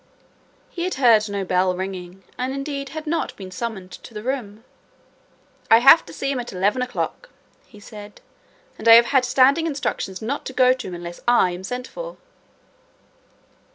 He had heard no bell ringing and indeed had not been summoned to the room. "I have to see him at eleven o'clock," he said, "and I have had standing instructions not to go to him unless I am sent for."